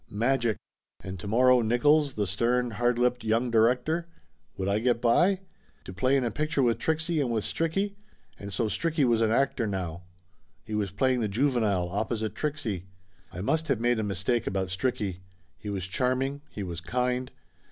Magic! And tomorrow Nickolls, the stern, hard lipped young director. Would I get by? To play in a pic ture with Trixie and with Stricky! And so Stricky was an actor now ! He was playing the juvenile, op posite Trixie. I must have made a mistake about Stricky. He was charming, he was kind.